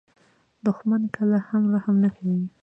دښمن کله هم رحم نه کوي